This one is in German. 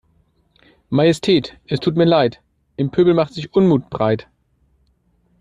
Majestät es tut mir Leid, im Pöbel macht sich Unmut breit.